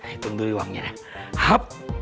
hitung dulu uangnya